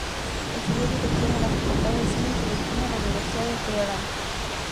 Estudió dirección en la Facultad de Cine y Televisión de la Universidad de Teherán.